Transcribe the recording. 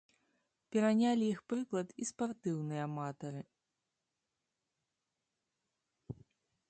Перанялі іх прыклад і спартыўныя аматары.